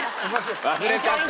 忘れちゃって。